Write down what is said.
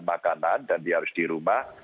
makanan dan dia harus di rumah